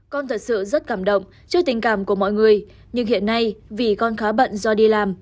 con thật sự rất cảm động trước tình cảm của mọi người nhưng hiện nay vì con khá bận do đi làm